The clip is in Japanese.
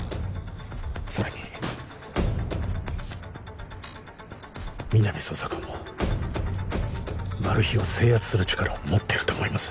それに皆実捜査官もマル被を制圧する力を持ってると思います